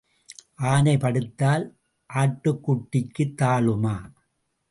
ஆனை படுத்தால் ஆட்டுக்குட்டிக்குத் தாழுமா?